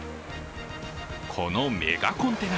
このメガコンテナ